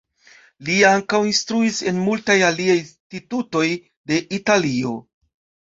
Li ankaŭ instruis en multaj aliaj institutoj de Italio.